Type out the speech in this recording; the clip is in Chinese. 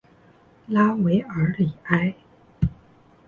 拉韦尔里埃。